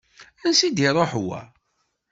Ansi i d-iruḥ wa?